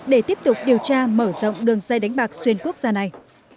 để tiếp tục điều tra mở rộng đường dây đánh bạc xuyên quốc gia này